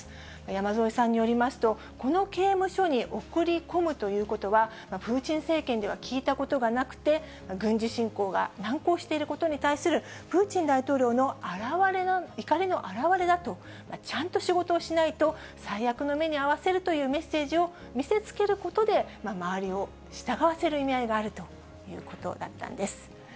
山添さんによりますと、この刑務所に送り込むということは、プーチン政権では聞いたことがなくて、軍事侵攻が難航していることに対するプーチン大統領の怒りのあらわれだと、ちゃんと仕事をしないと最悪な目に遭わせるというメッセージを見せつけることで、周りを従わせる意味合いがあるということだったんです。